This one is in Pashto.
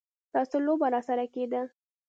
دا څه لوبه راسره کېده.